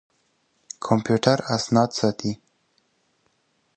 کمپيوټر اسناد ساتي.